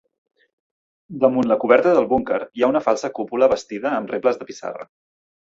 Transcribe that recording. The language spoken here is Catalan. Damunt la coberta del búnquer hi ha una falsa cúpula bastida amb rebles de pissarra.